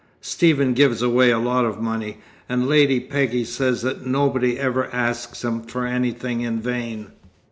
Stephen gives away a lot of money, and Lady Peggy says that nobody ever asks him for anything in vain.